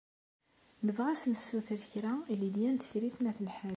Nebɣa ad as-nessuter kra i Lidya n Tifrit n At Lḥaǧ.